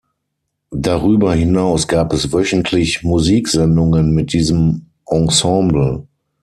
Darüber hinaus gab es wöchentlich Musiksendungen mit diesem Ensemble.